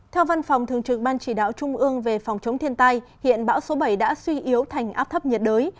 theo văn phòng thường trực ban chỉ đạo trung ương về phòng chống thiên tai hiện bão số bảy đã suy yếu thành áp thấp nhiệt đới